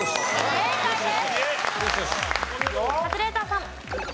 正解です。